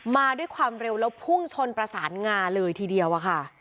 มาด้วยความเร็วแล้วพุ่งชนประสานงาเลยทีเดียวอะค่ะ